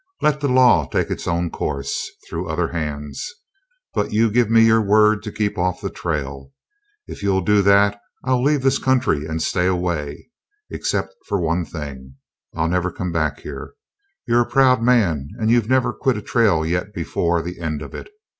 Let the law take its own course through other hands, but you give me your word to keep off the trail. If you'll do that I'll leave this country and stay away. Except for one thing, I'll never come back here. You're a proud man; you've never quit a trail yet before the end of it.